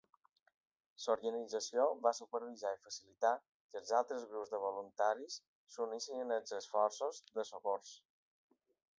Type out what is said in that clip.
L'organització va supervisar i facilitar que altres grups de voluntaris s'unissin als esforços de socors.